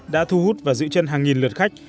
đã thu hút và giữ chân hàng nghìn lượt khách